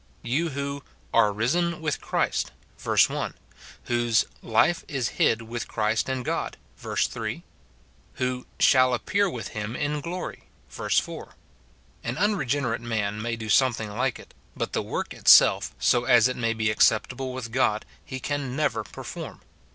You who "are risen with Christ," verse 1; whose "life is hid with Christ in God," verse 3; who "shall appear with him in glory," verse 4. An unregenerate man may do something like it ; but the work itself, so as it may be acceptable with God, he can never perform.